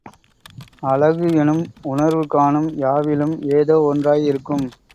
அழகு எனும் உணர்வு காணும் யாவிலும் ஏதோ ஒன்றாய் இருக்கும்